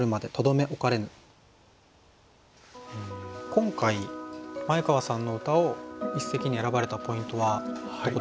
今回前川さんの歌を一席に選ばれたポイントはどこでしょうか？